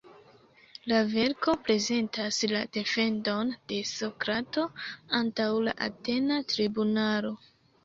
La verko prezentas la defendon de Sokrato antaŭ la atena tribunalo.